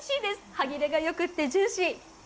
歯切れがよくてジューシー。